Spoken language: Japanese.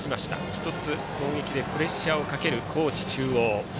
１つ攻撃でプレッシャーをかける高知中央。